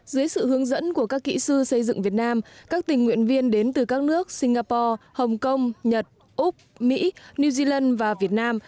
dưới sự hướng dẫn của các kỹ sư xây dựng việt nam các tình nguyện viên đến từ các nước singapore hồng kông nhật úc mỹ new zealand và việt nam